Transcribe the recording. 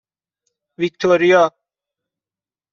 ویکتوریا